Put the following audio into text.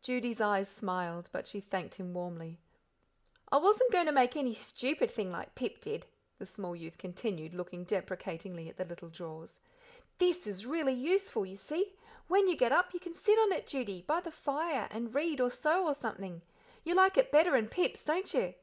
Judy's eyes smiled, but she thanked him warmly. "I wasn't goin' to make any stupid thing, like Pip did," the small youth continued, looking deprecatingly at the little drawers. "This is really useful, you see; when you get up you can sit on it, Judy, by the fire and read or sew or something. You like it better 'n Pip's, don't you?"